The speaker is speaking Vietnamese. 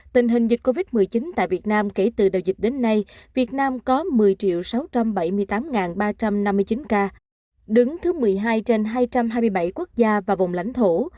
tình hình dịch covid một mươi chín tại việt nam kể từ đầu dịch đến nay việt nam có một mươi sáu trăm bảy mươi tám ba trăm năm mươi chín ca đứng thứ một mươi hai trên hai trăm hai mươi bảy quốc gia và vùng lãnh thổ